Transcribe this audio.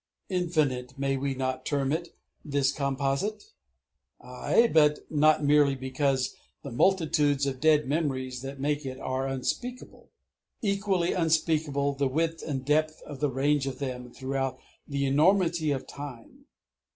Infinite, may we not term it this Composite? Aye, but not merely because the multitudes of dead memories that make it are unspeakable. Equally unspeakable the width and the depth of the range of them throughout the enormity of Time....